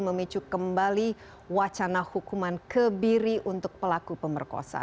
memicu kembali wacana hukuman kebiri untuk pelaku pemerkosa